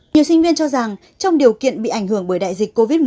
nhiều sinh viên cho rằng trong điều kiện bị ảnh hưởng bởi đại dịch covid một mươi chín